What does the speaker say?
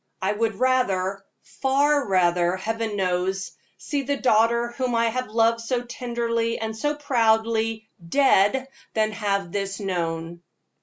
I would rather far rather, Heaven knows see the daughter whom I have loved so tenderly and so proudly, dead, than have this known."